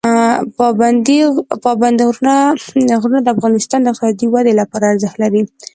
پابندی غرونه د افغانستان د اقتصادي ودې لپاره ارزښت لري.